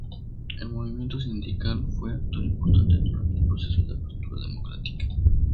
El movimiento sindical fue actor importante durante el proceso de Apertura Democrática.